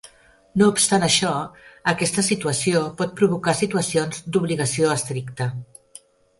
No obstant això, aquesta situació pot provocar situacions d'obligació estricta.